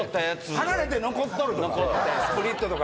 「離れて残っとる」とか？